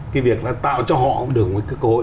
cái việc là tạo cho họ được một cái cơ hội